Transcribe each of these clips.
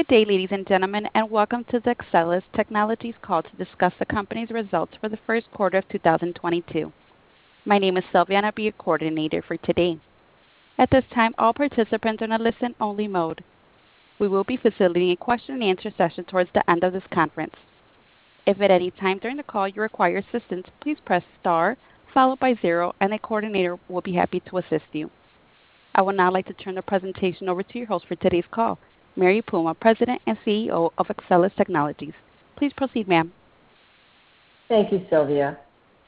Good day, ladies and gentlemen, and welcome to the Axcelis Technologies call to discuss the company's results for the Q1 of 2022. My name is Sylvia, and I'll be your coordinator for today. At this time, all participants are in a listen-only mode. We will be facilitating a question and answer session towards the end of this conference. If at any time during the call you require assistance, please press star followed by zero, and a coordinator will be happy to assist you. I would now like to turn the presentation over to your host for today's call, Mary Puma, President and CEO of Axcelis Technologies. Please proceed, ma'am. Thank you, Sylvia.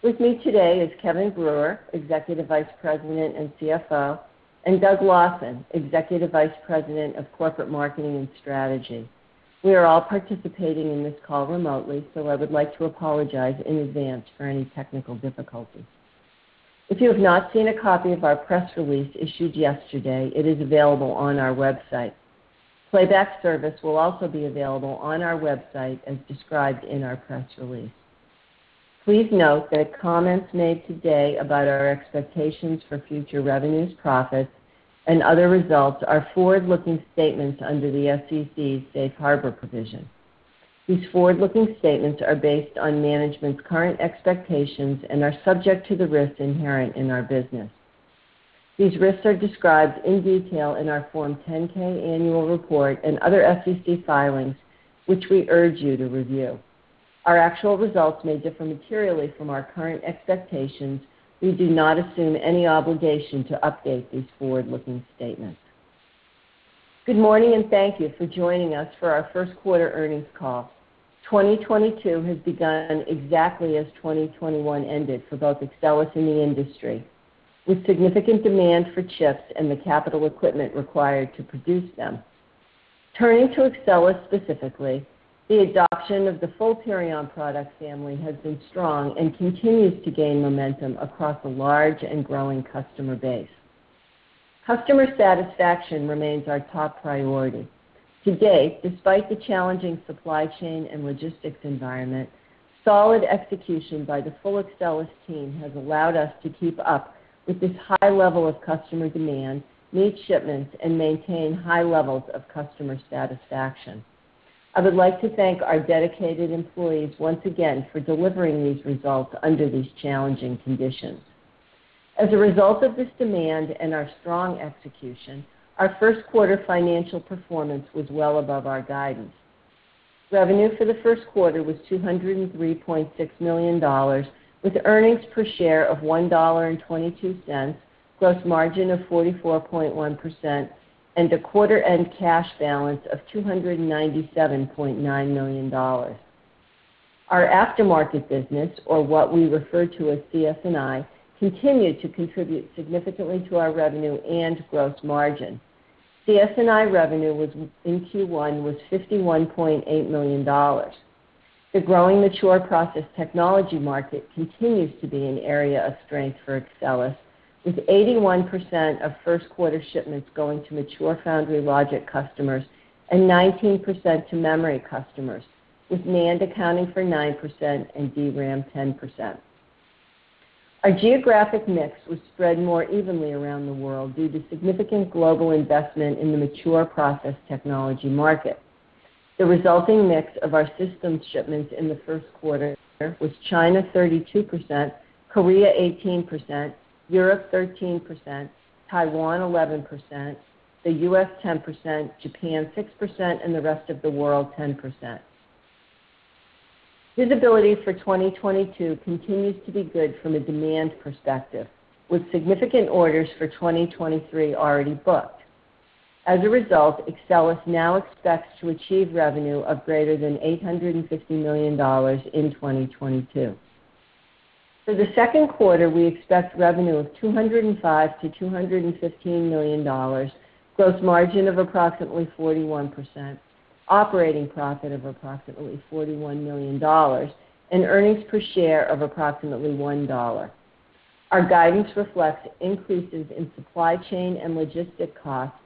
With me today is Kevin Brewer, Executive Vice President and CFO, and Doug Lawson, Executive Vice President of Corporate Marketing and Strategy. We are all participating in this call remotely, so I would like to apologize in advance for any technical difficulties. If you have not seen a copy of our press release issued yesterday, it is available on our website. Playback service will also be available on our website as described in our press release. Please note that comments made today about our expectations for future revenues, profits, and other results are forward-looking statements under the SEC's Safe Harbor provision. These forward-looking statements are based on management's current expectations and are subject to the risks inherent in our business. These risks are described in detail in our Form 10-K annual report and other SEC filings, which we urge you to review. Our actual results may differ materially from our current expectations. We do not assume any obligation to update these forward-looking statements. Good morning, and thank you for joining us for our Q1 earnings call. 2022 has begun exactly as 2021 ended for both Axcelis and the industry, with significant demand for chips and the capital equipment required to produce them. Turning to Axcelis specifically, the adoption of the full Purion product family has been strong and continues to gain momentum across a large and growing customer base. Customer satisfaction remains our top priority. To date, despite the challenging supply chain and logistics environment, solid execution by the full Axcelis team has allowed us to keep up with this high level of customer demand, meet shipments, and maintain high levels of customer satisfaction. I would like to thank our dedicated employees once again for delivering these results under these challenging conditions. As a result of this demand and our strong execution, our Q1 financial performance was well above our guidance. Revenue for the Q1 was $203.6 million, with earnings per share of $1.22, gross margin of 44.1%, and a quarter end cash balance of $297.9 million. Our aftermarket business, or what we refer to as CS&I, continued to contribute significantly to our revenue and gross margin. CS&I revenue in Q1 was $51.8 million. The growing mature process technology market continues to be an area of strength for Axcelis, with 81% of Q1 shipments going to mature foundry logic customers and 19% to memory customers, with NAND accounting for 9% and DRAM 10%. Our geographic mix was spread more evenly around the world due to significant global investment in the mature process technology market. The resulting mix of our systems shipments in the Q1 was China 32%, Korea 18%, Europe 13%, Taiwan 11%, the U.S. 10%, Japan 6%, and the rest of the world 10%. Visibility for 2022 continues to be good from a demand perspective, with significant orders for 2023 already booked. As a result, Axcelis now expects to achieve revenue of greater than $850 million in 2022. For the Q2, we expect revenue of $205 million-$215 million, gross margin of approximately 41%, operating profit of approximately $41 million, and earnings per share of approximately $1. Our guidance reflects increases in supply chain and logistic costs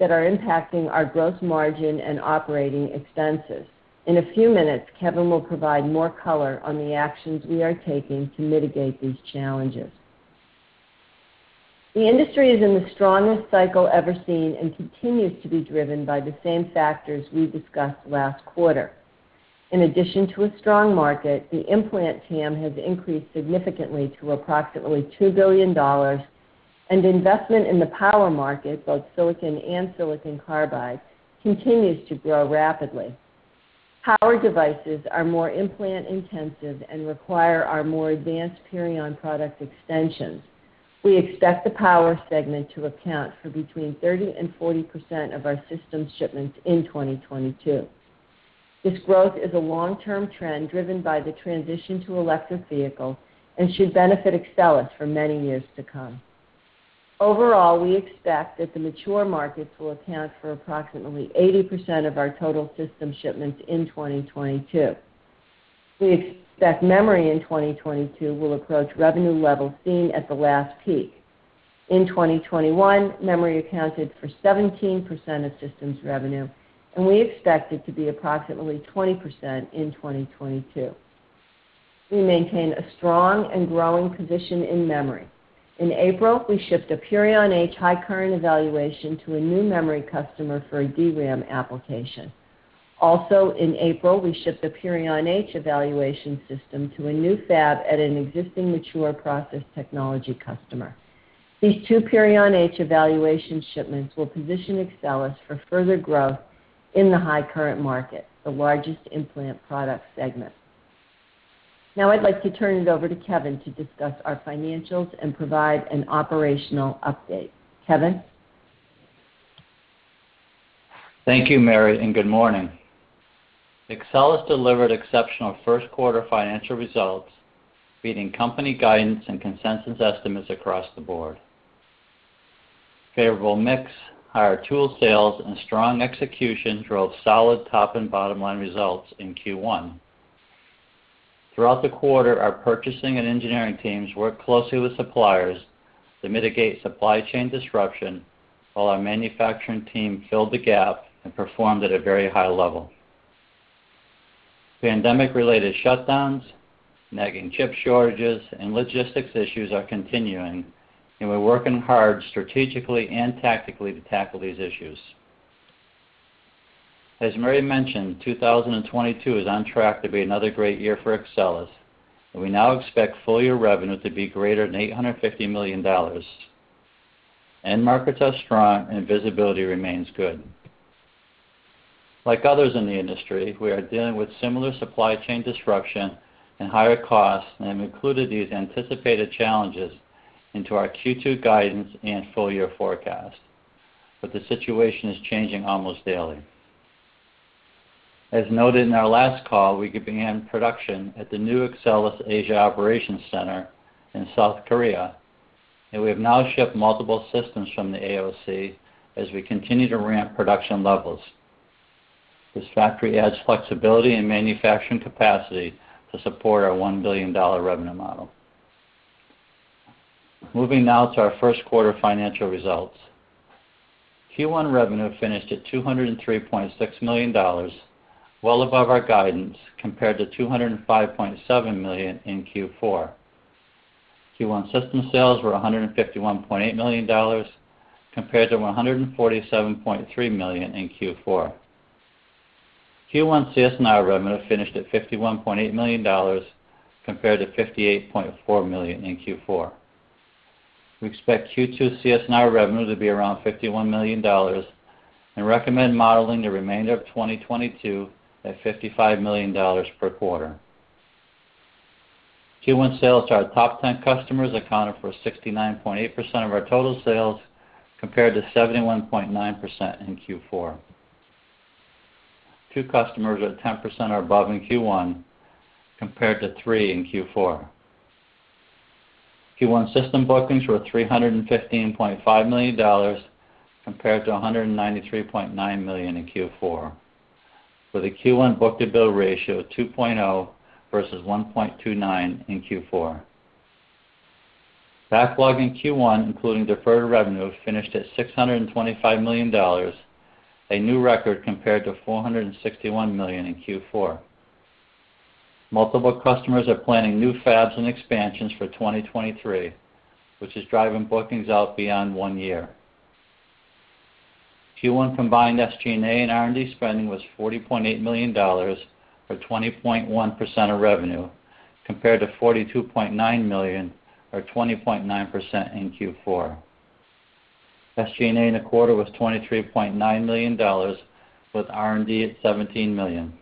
that are impacting our gross margin and operating expenses. In a few minutes, Kevin will provide more color on the actions we are taking to mitigate these challenges. The industry is in the strongest cycle ever seen and continues to be driven by the same factors we discussed last quarter. In addition to a strong market, the implant TAM has increased significantly to approximately $2 billion, and investment in the power market, both silicon and silicon carbide, continues to grow rapidly. Power devices are more implant-intensive and require our more advanced Purion product extensions. We expect the power segment to account for between 30% and 40% of our systems shipments in 2022. This growth is a long-term trend driven by the transition to electric vehicles and should benefit Axcelis for many years to come. Overall, we expect that the mature markets will account for approximately 80% of our total system shipments in 2022. We expect memory in 2022 will approach revenue levels seen at the last peak. In 2021, memory accounted for 17% of systems revenue, and we expect it to be approximately 20% in 2022. We maintain a strong and growing position in memory. In April, we shipped a Purion H high current evaluation to a new memory customer for a DRAM application. Also, in April, we shipped a Purion H evaluation system to a new fab at an existing mature process technology customer. These two Purion H evaluation shipments will position Axcelis for further growth in the high current market, the largest implant product segment. Now I'd like to turn it over to Kevin to discuss our financials and provide an operational update. Kevin? Thank you, Mary, and good morning. Axcelis delivered exceptional Q1 financial results, beating company guidance and consensus estimates across the board. Favorable mix, higher tool sales, and strong execution drove solid top and bottom line results in Q1. Throughout the quarter, our purchasing and engineering teams worked closely with suppliers to mitigate supply chain disruption while our manufacturing team filled the gap and performed at a very high level. Pandemic-related shutdowns, nagging chip shortages, and logistics issues are continuing, and we're working hard strategically and tactically to tackle these issues. As Mary mentioned, 2022 is on track to be another great year for Axcelis, and we now expect full year revenue to be greater than $850 million. End markets are strong and visibility remains good. Like others in the industry, we are dealing with similar supply chain disruption and higher costs, and have included these anticipated challenges into our Q2 guidance and full year forecast. The situation is changing almost daily. As noted in our last call, we began production at the new Axcelis Asia Operations Center in South Korea, and we have now shipped multiple systems from the AOC as we continue to ramp production levels. This factory adds flexibility and manufacturing capacity to support our $1 billion revenue model. Moving now to our Q1 financial results. Q1 revenue finished at $203.6 million, well above our guidance, compared to $205.7 million in Q4. Q1 system sales were $151.8 million compared to $147.3 million in Q4. Q1 CS&I revenue finished at $51.8 million compared to $58.4 million in Q4. We expect Q2 CS&I revenue to be around $51 million and recommend modeling the remainder of 2022 at $55 million per quarter. Q1 sales to our top ten customers accounted for 69.8% of our total sales, compared to 71.9% in Q4. Two customers at 10% or above in Q1, compared to three in Q4. Q1 system bookings were $315.5 million compared to $193.9 million in Q4, with a Q1 book-to-bill ratio of 2.0 versus 1.29 in Q4. Backlog in Q1, including deferred revenue, finished at $625 million, a new record compared to $461 million in Q4. Multiple customers are planning new fabs and expansions for 2023, which is driving bookings out beyond one year. Q1 combined SG&A and R&D spending was $40.8 million or 20.1% of revenue, compared to $42.9 million or 20.9% in Q4. SG&A in the quarter was $23.9 million, with R&D at $17 million.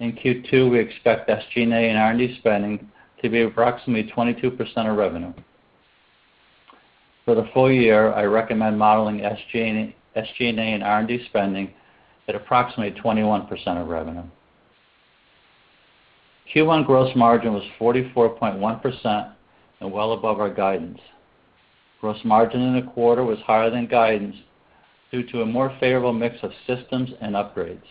In Q2, we expect SG&A and R&D spending to be approximately 22% of revenue. For the full year, I recommend modeling SG&A and R&D spending at approximately 21% of revenue. Q1 gross margin was 44.1% and well above our guidance. Gross margin in the quarter was higher than guidance due to a more favorable mix of systems and upgrades.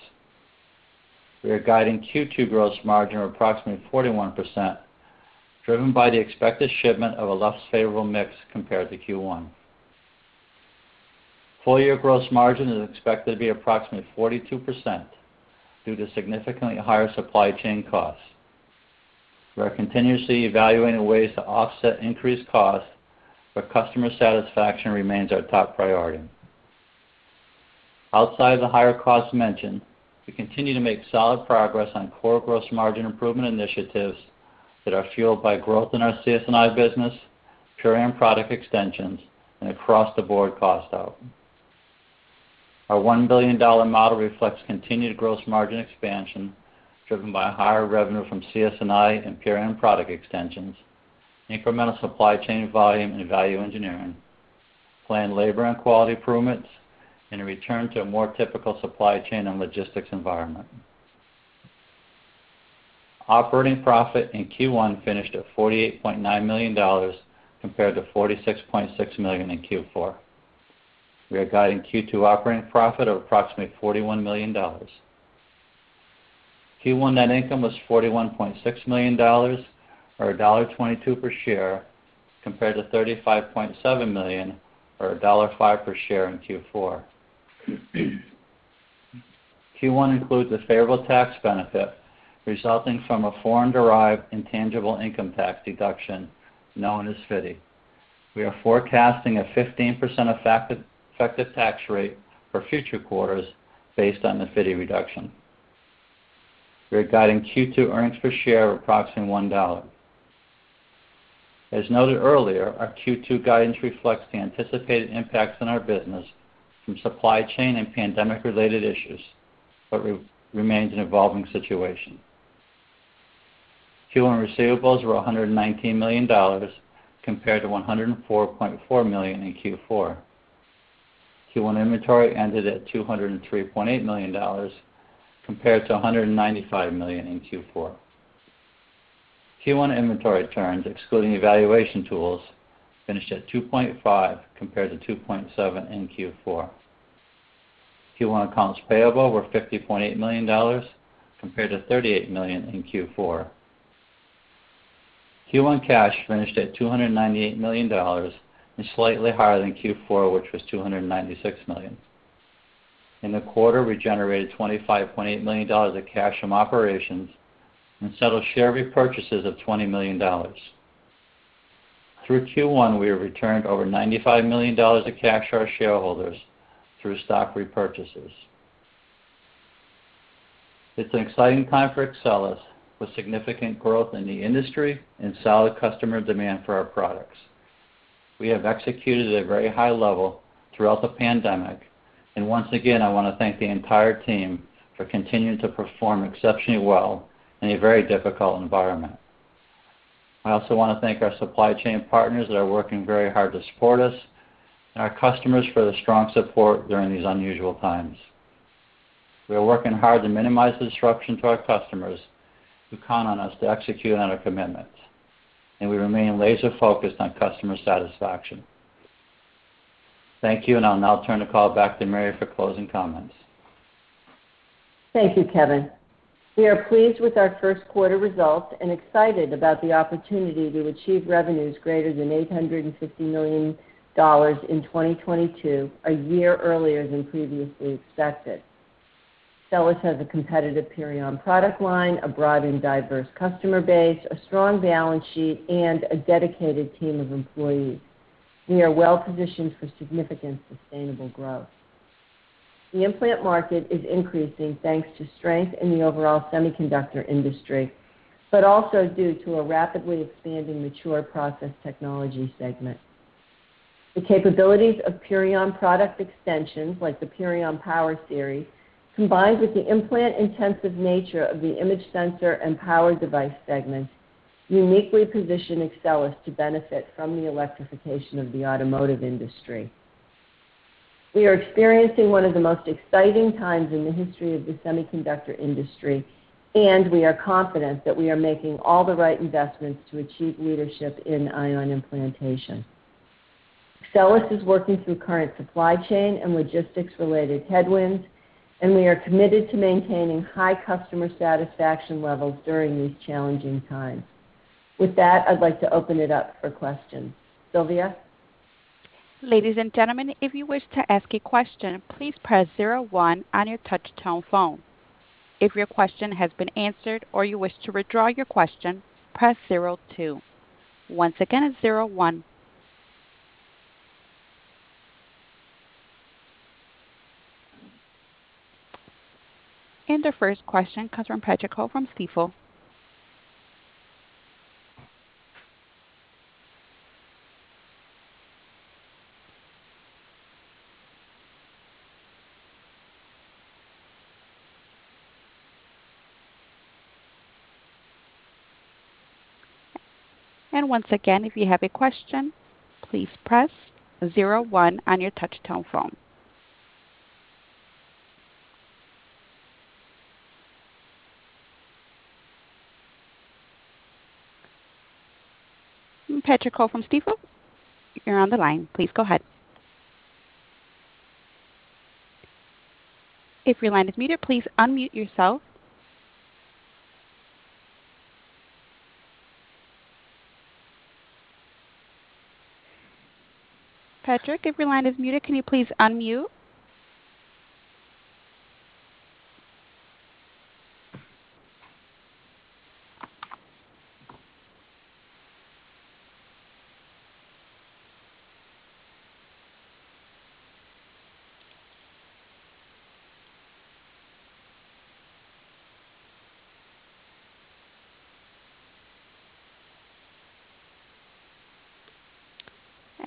We are guiding Q2 gross margin of approximately 41%, driven by the expected shipment of a less favorable mix compared to Q1. Full year gross margin is expected to be approximately 42% due to significantly higher supply chain costs. We are continuously evaluating ways to offset increased costs, but customer satisfaction remains our top priority. Outside of the higher costs mentioned, we continue to make solid progress on core gross margin improvement initiatives that are fueled by growth in our CS&I business, Purion product extensions, and across-the-board cost out. Our $1 billion model reflects continued gross margin expansion driven by higher revenue from CS&I and Purion product extensions, incremental supply chain volume and value engineering, planned labor and quality improvements, and a return to a more typical supply chain and logistics environment. Operating profit in Q1 finished at $48.9 million compared to $46.6 million in Q4. We are guiding Q2 operating profit of approximately $41 million. Q1 net income was $41.6 million or $1.22 per share compared to $35.7 million or $1.05 per share in Q4. Q1 includes a favorable tax benefit resulting from a foreign-derived intangible income tax deduction known as FDII. We are forecasting a 15% effective tax rate for future quarters based on the FDII reduction. We're guiding Q2 earnings per share of approximately $1. As noted earlier, our Q2 guidance reflects the anticipated impacts on our business from supply chain and pandemic-related issues, but remains an evolving situation. Q1 receivables were $119 million compared to $104.4 million in Q4. Q1 inventory ended at $203.8 million compared to $195 million in Q4. Q1 inventory turns, excluding evaluation tools, finished at 2.5 compared to 2.7 in Q4. Q1 accounts payable were $50.8 million compared to $38 million in Q4. Q1 cash finished at $298 million and slightly higher than Q4, which was $296 million. In the quarter, we generated $25.8 million of cash from operations and settled share repurchases of $20 million. Through Q1, we have returned over $95 million of cash to our shareholders through stock repurchases. It's an exciting time for Axcelis, with significant growth in the industry and solid customer demand for our products. We have executed at a very high level throughout the pandemic, and once again, I want to thank the entire team for continuing to perform exceptionally well in a very difficult environment. I also want to thank our supply chain partners that are working very hard to support us, and our customers for their strong support during these unusual times. We are working hard to minimize the disruption to our customers who count on us to execute on our commitments, and we remain laser-focused on customer satisfaction. Thank you, and I'll now turn the call back to Mary for closing comments. Thank you, Kevin. We are pleased with our Q1 results and excited about the opportunity to achieve revenues greater than $850 million in 2022, a year earlier than previously expected. Axcelis has a competitive Purion product line, a broad and diverse customer base, a strong balance sheet, and a dedicated team of employees. We are well-positioned for significant sustainable growth. The implant market is increasing thanks to strength in the overall semiconductor industry, but also due to a rapidly expanding mature process technology segment. The capabilities of Purion product extensions, like the Purion Power Series, combined with the implant-intensive nature of the image sensor and power device segments, uniquely position Axcelis to benefit from the electrification of the automotive industry. We are experiencing one of the most exciting times in the history of the semiconductor industry, and we are confident that we are making all the right investments to achieve leadership in ion implantation. Axcelis is working through current supply chain and logistics-related headwinds, and we are committed to maintaining high customer satisfaction levels during these challenging times. With that, I'd like to open it up for questions. Sylvia? Ladies and gentlemen, if you wish to ask a question, please press zero one on your touch tone phone. If your question has been answered or you wish to withdraw your question, press zero two. Once again, zero one. The first question comes from Patrick Ho from Stifel. Once again, if you have a question, please press zero one on your touch tone phone. Patrick Ho from Stifel, you're on the line. Please go ahead. If your line is muted, please unmute yourself. Patrick, if your line is muted, can you please unmute?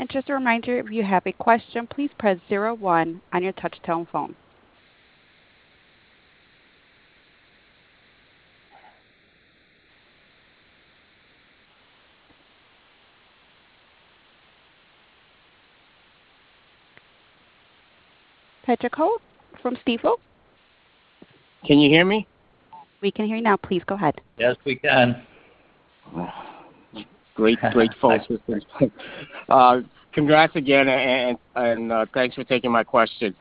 Just a reminder, if you have a question, please press zero one on your touch tone phone. Patrick Ho from Stifel? Can you hear me? We can hear you now. Please go ahead. Yes, we can. Great folks with this. Thanks. Congrats again and thanks for taking my question.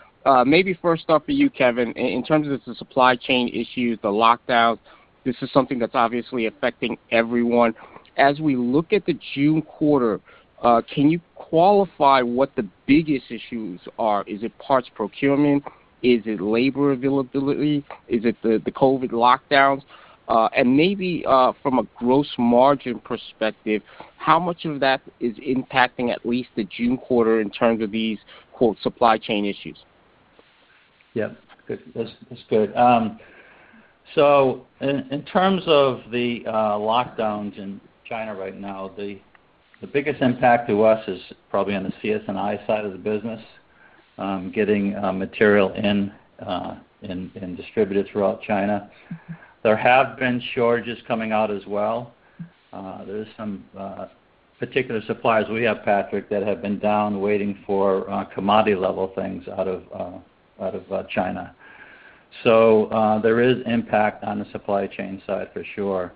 Maybe first off for you, Kevin, in terms of the supply chain issues, the lockdowns, this is something that's obviously affecting everyone. As we look at the June quarter, can you qualify what the biggest issues are? Is it parts procurement? Is it labor availability? Is it the COVID lockdowns? Maybe from a gross margin perspective, how much of that is impacting at least the June quarter in terms of these "supply chain issues"? Yeah. Good. That's good. In terms of the lockdowns in China right now, the biggest impact to us is probably on the CS&I side of the business, getting material in and distributed throughout China. There have been shortages coming out as well. There's some particular suppliers we have, Patrick, that have been down waiting for commodity level things out of China. There is impact on the supply chain side for sure.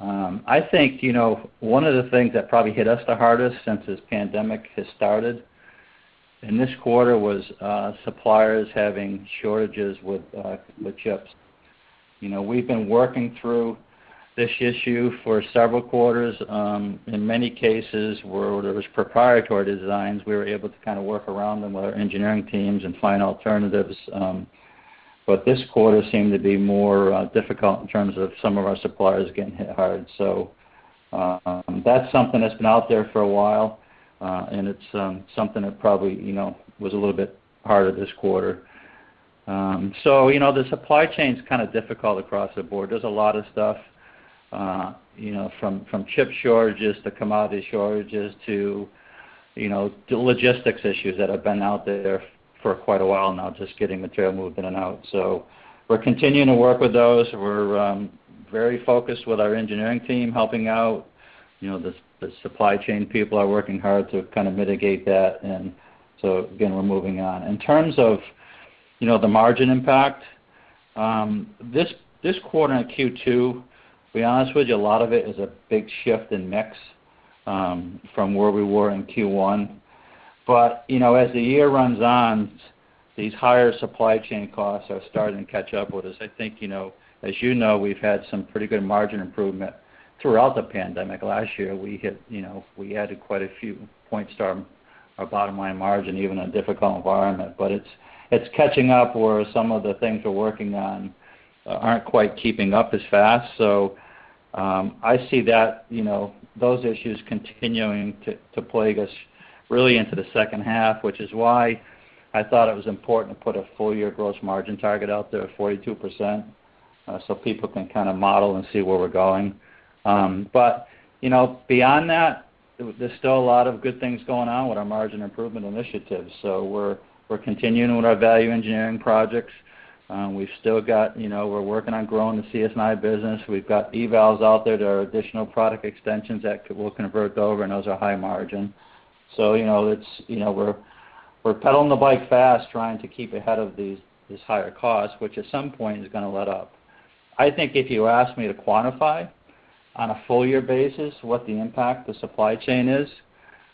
I think, you know, one of the things that probably hit us the hardest since this pandemic has started, and this quarter was suppliers having shortages with chips. You know, we've been working through this issue for several quarters. In many cases where there was proprietary designs, we were able to kinda work around them with our engineering teams and find alternatives. This quarter seemed to be more difficult in terms of some of our suppliers getting hit hard. That's something that's been out there for a while, and it's something that probably, you know, was a little bit harder this quarter. The supply chain's kinda difficult across the board. There's a lot of stuff, you know, from chip shortages to commodity shortages to logistics issues that have been out there for quite a while now, just getting material moved in and out. We're continuing to work with those. We're very focused with our engineering team helping out. You know, the supply chain people are working hard to kind of mitigate that. We're moving on. In terms of, you know, the margin impact, this quarter in Q2, to be honest with you, a lot of it is a big shift in mix, from where we were in Q1. You know, as the year runs on, these higher supply chain costs are starting to catch up with us. I think, you know, as you know, we've had some pretty good margin improvement throughout the pandemic. Last year, we hit, you know, we added quite a few points to our bottom line margin, even in a difficult environment. It's catching up where some of the things we're working on aren't quite keeping up as fast. I see that, you know, those issues continuing to plague us really into the second half, which is why I thought it was important to put a full year gross margin target out there of 42%, so people can kinda model and see where we're going. You know, beyond that, there's still a lot of good things going on with our margin improvement initiatives. We're continuing with our value engineering projects. We've still got, you know, we're working on growing the CS&I business. We've got evals out there that are additional product extensions that we'll convert over, and those are high margin. You know, it's, you know, we're pedaling the bike fast trying to keep ahead of these higher costs, which at some point is gonna let up. I think if you asked me to quantify on a full year basis what the impact the supply chain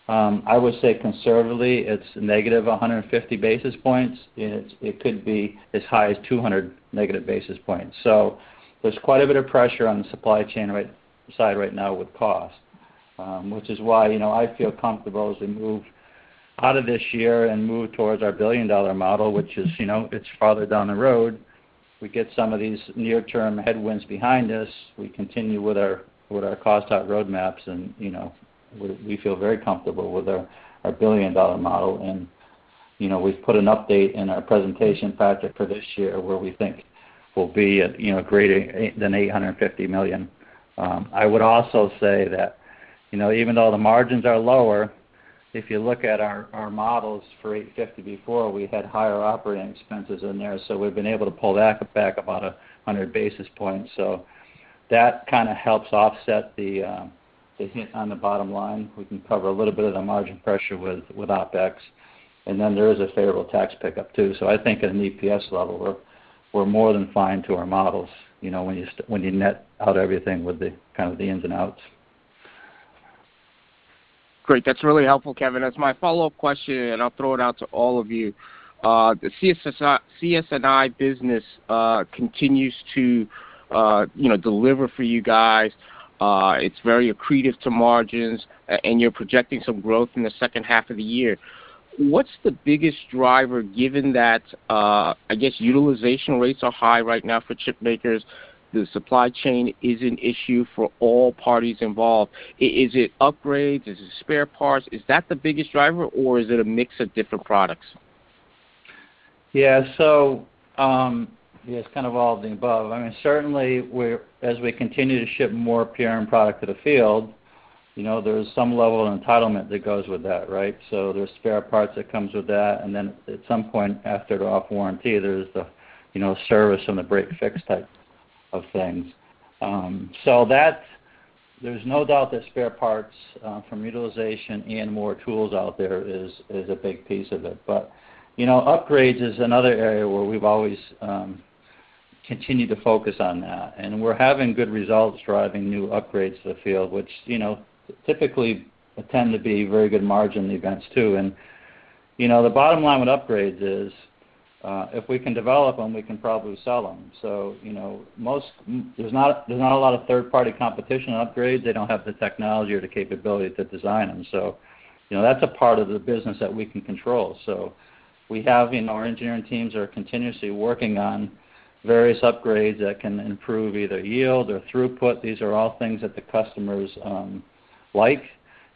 is, I would say conservatively it's negative 150 basis points. It could be as high as 200 negative basis points. There's quite a bit of pressure on the supply chain right now with cost, which is why, you know, I feel comfortable as we move out of this year and move towards our billion-dollar model, which is, you know, it's farther down the road. We get some of these near term headwinds behind us. We continue with our cost out roadmaps and, you know, we feel very comfortable with our billion-dollar model. You know, we've put an update in our presentation, Patrick, for this year where we think we'll be at, you know, greater than $850 million. I would also say that, you know, even though the margins are lower, if you look at our models for $850 before, we had higher operating expenses in there, so we've been able to pull back about 100 basis points. So that kinda helps offset the hit on the bottom line. We can cover a little bit of the margin pressure with OpEx. Then there is a favorable tax pickup too. So I think at an EPS level, we're more than fine to our models, you know, when you net out everything with the kind of the ins and outs. Great. That's really helpful, Kevin. As my follow-up question, and I'll throw it out to all of you. The CS&I business continues to, you know, deliver for you guys. It's very accretive to margins, and you're projecting some growth in the second half of the year. What's the biggest driver given that, I guess utilization rates are high right now for chip makers, the supply chain is an issue for all parties involved. Is it upgrades? Is it spare parts? Is that the biggest driver, or is it a mix of different products? Yeah. Yeah, it's kind of all of the above. I mean, certainly we're, as we continue to ship more Purion product to the field, you know, there's some level of entitlement that goes with that, right? There's spare parts that comes with that, and then at some point after the warranty, there's the, you know, service and the break-fix type of things. That's. There's no doubt that spare parts from utilization and more tools out there is a big piece of it. Upgrades is another area where we've always continue to focus on that, and we're having good results driving new upgrades to the field, which, you know, typically tend to be very good margin events too. You know, the bottom line with upgrades is, if we can develop them, we can probably sell them. You know, there's not a lot of third-party competition on upgrades. They don't have the technology or the capability to design them. You know, that's a part of the business that we can control. We have, and our engineering teams are continuously working on various upgrades that can improve either yield or throughput. These are all things that the customers like,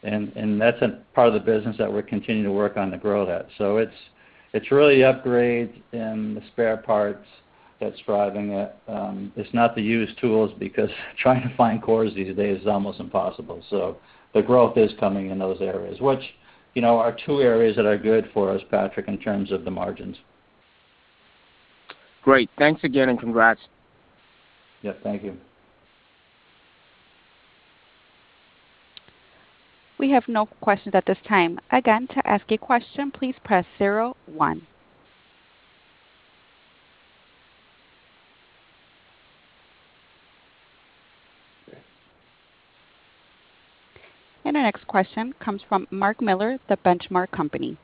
and that's a part of the business that we're continuing to work on to grow that. It's really upgrades and the spare parts that's driving it. It's not the used tools because trying to find cores these days is almost impossible. The growth is coming in those areas, which, you know, are two areas that are good for us, Patrick, in terms of the margins. Great. Thanks again, and congrats. Yes, thank you. We have no questions at this time. Again, to ask a question, please press zero one. Our next question comes from Mark Miller at The Benchmark Company.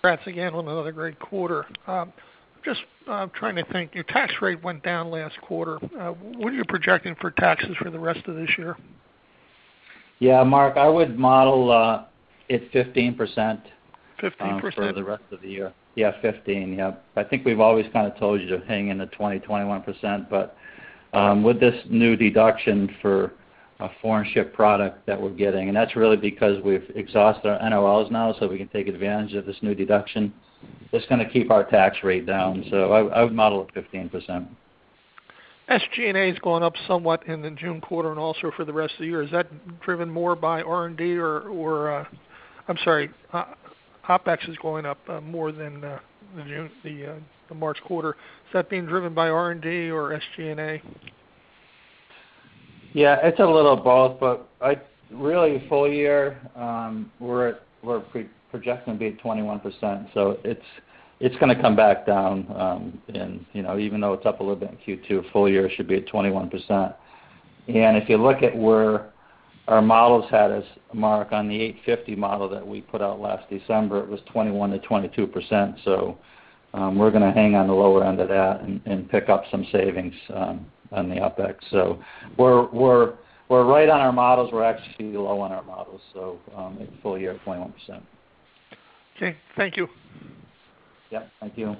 Congrats again on another great quarter. Your tax rate went down last quarter. What are you projecting for taxes for the rest of this year? Yeah, Mark, I would model it 15%. 15%. For the rest of the year. 15%. I think we've always kind of told you to hang in the 20-21%, but with this new deduction for FDII that we're getting, and that's really because we've exhausted our NOLs now, so we can take advantage of this new deduction. That's gonna keep our tax rate down. I would model it 15%. SG&A has gone up somewhat in the June quarter and also for the rest of the year. Is that driven more by R&D? OpEx is going up more than the March quarter. Is that being driven by R&D or SG&A? Yeah. It's a little of both, but really full year, we're projecting to be at 21%, so it's gonna come back down. You know, even though it's up a little bit in Q2, full year should be at 21%. If you look at where our models had us, Mark, on the 850 model that we put out last December, it was 21%-22%. We're gonna hang on the lower end of that and pick up some savings on the OpEx. We're right on our models. We're actually low on our models, at full year, 21%. Okay, thank you. Yeah, thank you.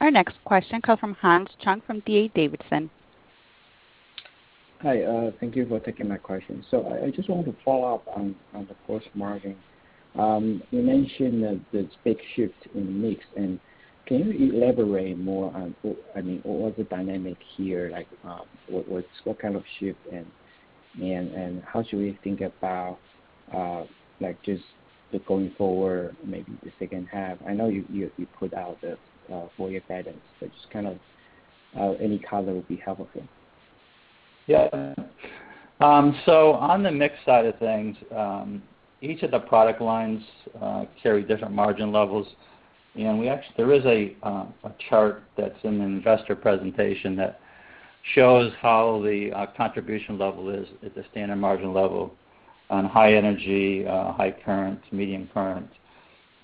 Our next question comes from Hans Chung from D.A. Davidson. Hi, thank you for taking my question. I just wanted to follow up on the gross margin. You mentioned that there's big shift in mix. Can you elaborate more on, I mean, what are the dynamics here? Like, what kind of shift and how should we think about, like, just the going forward, maybe the second half? I know you put out the full year guidance, but just kind of any color would be helpful. Yeah. On the mix side of things, each of the product lines carry different margin levels. There is a chart that's in the investor presentation that shows how the contribution level is at the standard margin level on high energy, high current, medium current.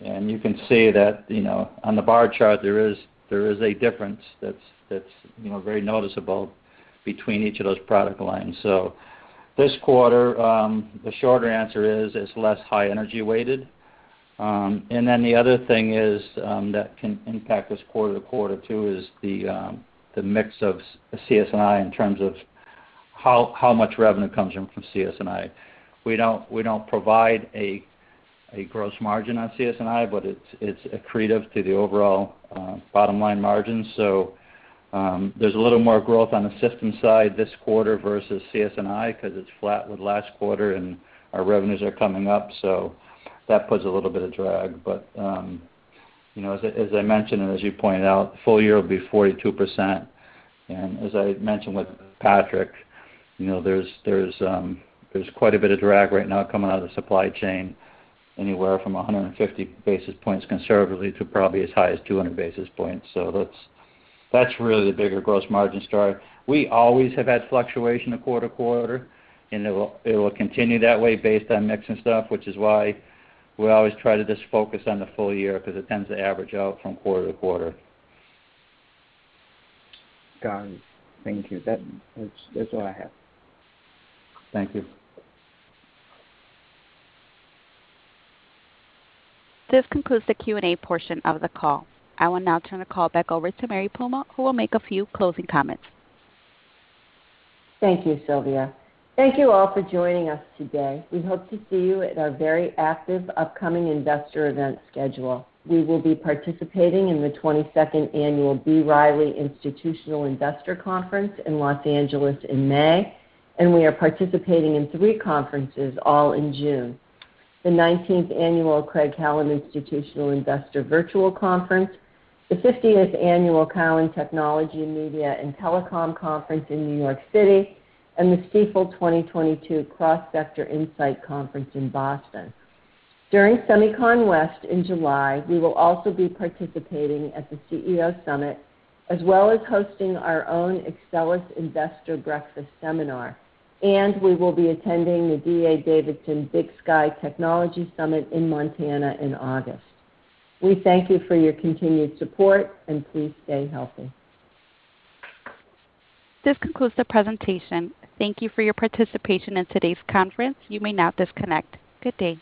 You can see that, you know, on the bar chart, there is a difference that's you know, very noticeable between each of those product lines. This quarter, the shorter answer is it's less high energy weighted. The other thing is that can impact us quarter to quarter too is the mix of CS&I in terms of how much revenue comes from CS&I. We don't provide a gross margin on CS&I, but it's accretive to the overall bottom line margin. There's a little more growth on the system side this quarter versus CS&I 'cause it's flat with last quarter, and our revenues are coming up, so that puts a little bit of drag. You know, as I mentioned, and as you pointed out, full year will be 42%. As I mentioned with Patrick, you know, there's quite a bit of drag right now coming out of the supply chain, anywhere from 150 basis points conservatively to probably as high as 200 basis points. That's really the bigger gross margin story. We always have had fluctuation of quarter to quarter, and it will continue that way based on mix and stuff, which is why we always try to just focus on the full year because it tends to average out from quarter to quarter. Got it. Thank you. That's all I have. Thank you. This concludes the Q&A portion of the call. I will now turn the call back over to Mary Puma, who will make a few closing comments. Thank you, Sylvia. Thank you all for joining us today. We hope to see you at our very active upcoming investor event schedule. We will be participating in the 22nd Annual B. Riley Institutional Investor Conference in Los Angeles in May, and we are participating in 3 conferences all in June, the 19th Annual Craig-Hallum Institutional Investor Virtual Conference, the 50th Annual Cowen Technology and Media and Telecom Conference in New York City, and the Stifel 2022 Cross Sector Insight Conference in Boston. During SEMICON West in July, we will also be participating at the CEO Summit, as well as hosting our own Axcelis Investor Breakfast Seminar, and we will be attending the D.A. Davidson Big Sky Technology Summit in Montana in August. We thank you for your continued support and please stay healthy. This concludes the presentation. Thank you for your participation in today's conference. You may now disconnect. Good day.